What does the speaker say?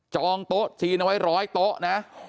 โต๊ะจีนเอาไว้๑๐๐โต๊ะนะ